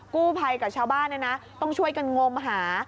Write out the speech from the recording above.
กู้ภัยกับชาวบ้านต้องช่วยกันงมหา